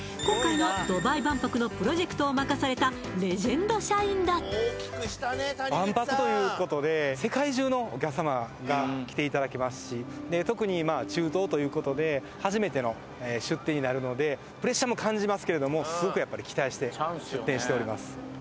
今回のドバイ万博のプロジェクトを任されたレジェンド社員だ万博ということで世界中のお客様が来ていただけますし特に中東ということで初めての出店になるのでプレッシャーも感じますけれどもすごく期待して出店しております